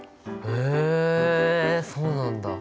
へえそうなんだ。